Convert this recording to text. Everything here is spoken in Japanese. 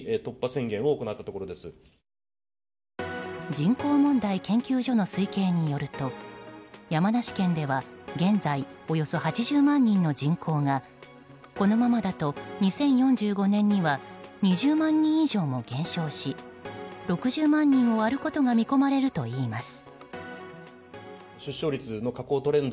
人口問題研究所の推計によると山梨県では現在およそ８０万人の人口がこのままだと２０４５年には２０万人以上も減少し６０万人を割ることが見込まれるといいます。